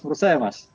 menurut saya mas